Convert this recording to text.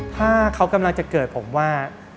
ถ้าเขากำลังจะเกิดผมว่า